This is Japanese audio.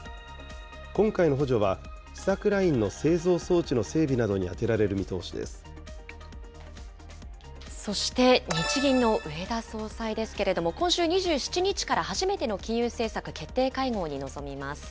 今回の補助は、試作ラインの製造装置の整備などに充てられる見通そして日銀の植田総裁ですけれども、今週２７日から初めての金融政策決定会合に臨みます。